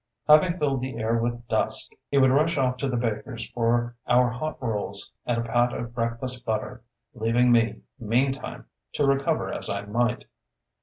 Having filled the air with dust, he would rush off to the baker's for our hot rolls and a pat of breakfast butter, leaving me, meantime, to recover as I might.